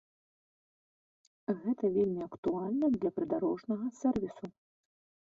Гэта вельмі актуальна для прыдарожнага сэрвісу.